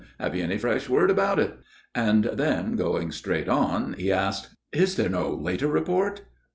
Have you any fresh word about it?" and then going straight on, he asks: "Is there no later report?